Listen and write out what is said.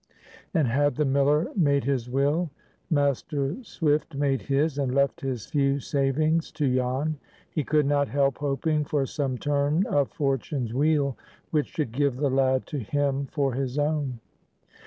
And had the miller made his will? Master Swift made his, and left his few savings to Jan. He could not help hoping for some turn of Fortune's wheel which should give the lad to him for his own.